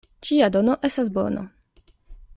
Ĉia dono estas bono.